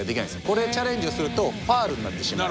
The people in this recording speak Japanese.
これチャレンジをするとファウルになってしまうんですね。